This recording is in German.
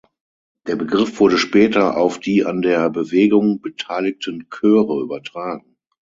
Der Begriff wurde später auf die an der Bewegung beteiligten Chöre übertragen.